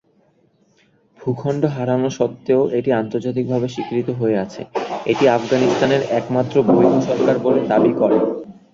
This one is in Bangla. ভূখণ্ড হারানো সত্ত্বেও, এটি আন্তর্জাতিকভাবে স্বীকৃত হয়ে আছে, এটি আফগানিস্তানের একমাত্র বৈধ সরকার বলে দাবি করে।